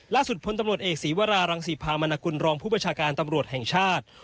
พลตำรวจเอกศีวรารังศรีพามนกุลรองผู้ประชาการตำรวจแห่งชาติ